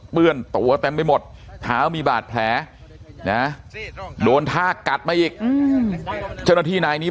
ปื้นตัวเต็มไปหมดขามีบาดแผลโดนท่ากัดมาอีกที่นายนี้